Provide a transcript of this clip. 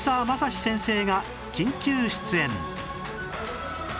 先生が緊急出演